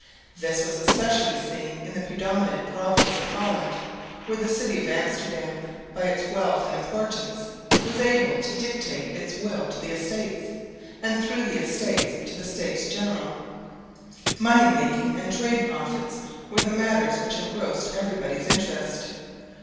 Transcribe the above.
This was especially seen in the predominant province of Holland, where the city of Amsterdam by its wealth and importance was able to dictate its will to the Estates, and through the Estates to the States General. Money making and trade profits were the matters which engrossed everybody's interest.